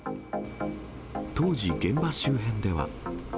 当時、現場周辺では。